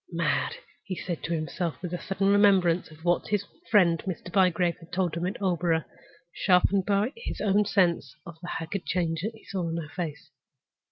"Mad!" he said to himself, with a sudden remembrance of what his friend Mr. Bygrave had told him at Aldborough, sharpened by his own sense of the haggard change that he saw in her face.